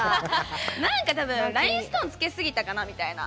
なんかラインストーンつけすぎたかなみたいな。